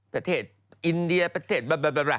ประเทศอินเดียประเทศ